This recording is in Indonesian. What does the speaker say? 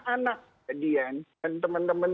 anak dian dan teman teman